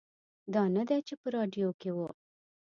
دا نه دی چې په راډیو کې و.